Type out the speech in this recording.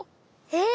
え？